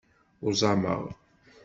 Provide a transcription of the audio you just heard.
Uẓameɣ.